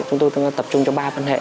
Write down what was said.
chúng tôi tập trung trong ba phân hệ